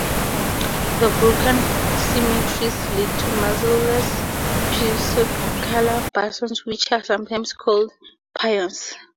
The broken symmetries lead to massless pseudoscalar bosons which are sometimes called pions.